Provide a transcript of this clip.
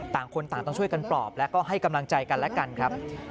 ต่างคนต่างต้องช่วยกันปลอบและก็ให้กำลังใจกันและกันครับ